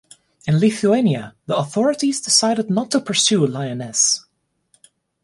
In Lithuania, the authorities decided not to pursue Lyoness.